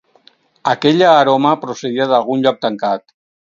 Aquella aroma procedia d’algun lloc tancat.